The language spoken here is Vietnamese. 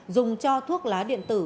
dùng cho thuốc lá điện tử